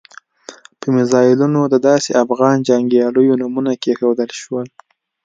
په میزایلونو د داسې افغان جنګیالیو نومونه کېښودل شول.